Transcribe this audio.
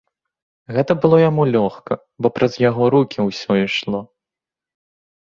Гэта было яму лёгка, бо праз яго рукі ўсё ішло.